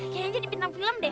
kayaknya jadi pinang film dan